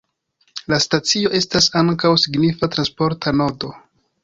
La stacio estas ankaŭ signifa transporta nodo.